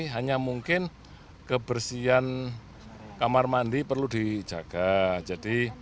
hanya mungkin kebersihan kamar mandi perlu dijaga